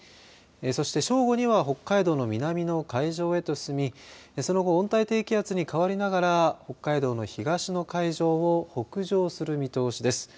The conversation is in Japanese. そして、正午には北海道の南の海上へと進みその後、温帯低気圧へ変わりながら北海道の東の海上を北上する見通しです。